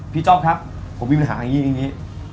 จ้องครับผมมีปัญหาอย่างนี้อย่างนี้